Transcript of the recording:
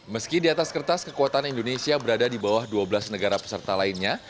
meski di atas kertas kekuatan indonesia berada di bawah dua belas negara peserta lainnya